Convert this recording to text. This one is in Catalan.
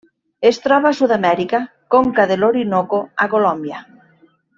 Es troba a Sud-amèrica: conca de l'Orinoco a Colòmbia.